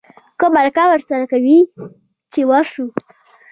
که مرکه ورسره کوې چې ورشو.